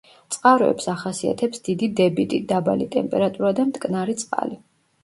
წყაროებს ახასიათებს დიდი დებიტი, დაბალი ტემპერატურა და მტკნარი წყალი.